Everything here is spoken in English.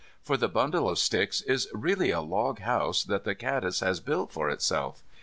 For the bundle of sticks is really a log house that the caddis has built for itself.